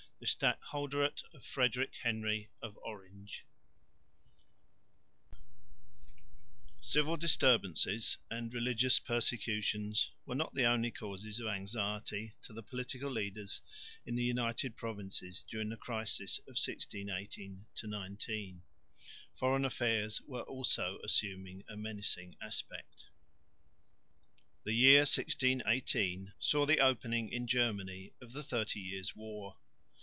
THE STADHOLDERATE OF FREDERICK HENRY OF ORANGE Civil disturbances and religious persecutions were not the only causes of anxiety to the political leaders in the United Provinces during the crisis of 1618 19; foreign affairs were also assuming a menacing aspect. The year 1618 saw the opening in Germany of the Thirty Years' War.